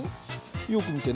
よく見てね。